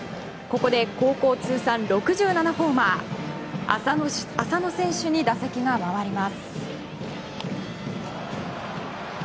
ここで高校通算６７ホーマー浅野選手に打席が回ります。